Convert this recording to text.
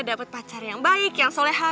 dapat pacar yang baik yang soleha